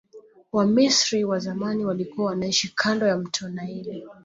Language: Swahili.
wamisri wa zamani walikua wanaishi kando ya mto naili